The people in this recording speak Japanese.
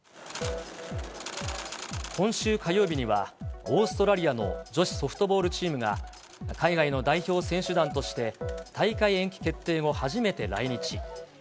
今週火曜日には、オーストラリアの女子ソフトボールチームが、海外の代表選手団として大会延期決定後初めて来日。